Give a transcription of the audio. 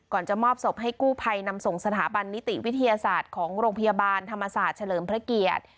จะมอบศพให้กู้ภัยนำส่งสถาบันนิติวิทยาศาสตร์ของโรงพยาบาลธรรมศาสตร์เฉลิมพระเกียรติ